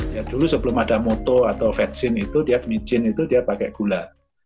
dulu sebelum ada moto atau vetsin itu dia pakai gula